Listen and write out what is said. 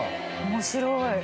面白い。